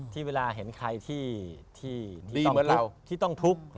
ที่เวลาเห็นใครที่ต้องทุกข์